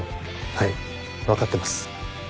はい分かってます。